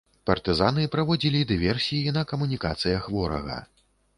Партызаны праводзілі дыверсіі на камунікацыях ворага.